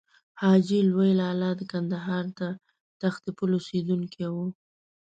حاجي لوی لالا د کندهار د تختې پل اوسېدونکی و.